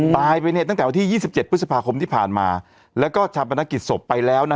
ตายไปเนี่ยตั้งแต่วันที่๒๗พฤษภาคมที่ผ่านมาแล้วก็ชาปนกิจศพไปแล้วนะ